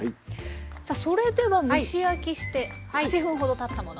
さあそれでは蒸し焼きして８分ほどたったもの。